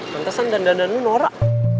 tentesan dandan dandan lu norak